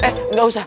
eh nggak usah